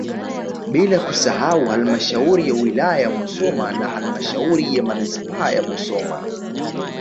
Bila kusahau halmashauri ya wilaya ya Musoma na halmashauri ya manispaa ya Musoma